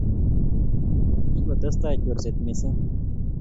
Kikotestai chorset missing